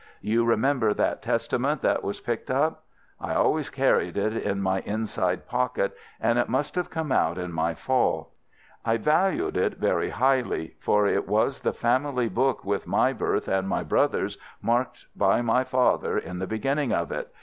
You remember that Testament that was picked up. I always carried it in my inside pocket, and it must have come out in my fall. I value it very highly, for it was the family book with my birth and my brother's marked by my father in the beginning of it.